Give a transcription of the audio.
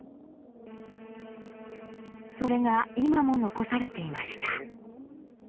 それが今も残されていました。